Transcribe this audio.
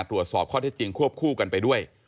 ตรวจสอบข้อเท็จจริงควบคู่กันไปด้วย